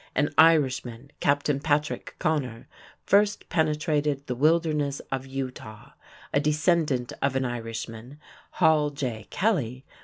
An Irishman, Captain Patrick Connor, first penetrated the wilderness of Utah; a descendant of an Irishman, Hall J.